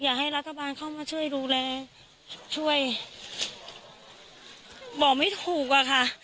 อยากให้รัฐบาลเข้ามาช่วยดูแลช่วยบอกไม่ถูกอะค่ะ